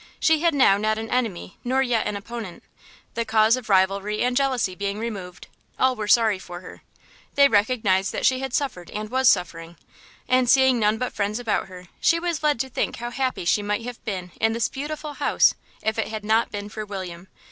She had now not an enemy nor yet an opponent; the cause of rivalry and jealousy being removed, all were sorry for her. They recognised that she had suffered and was suffering, and seeing none but friends about her, she was led to think how happy she might have been in this beautiful house if it had not been for William.